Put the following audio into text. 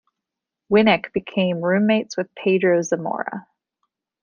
Winick became roommates with Pedro Zamora.